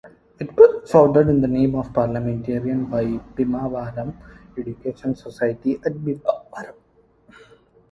It was founded in the name of parliamentarian by Bhimavaram Education Society at Bhimavaram.